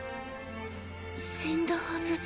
死んだはずじゃ。